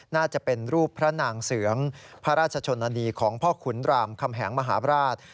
น่าจะเป็นรูปพระนางเสืองพระราชชนนาดีของพ่อขุนรามคำแหงมหาบราช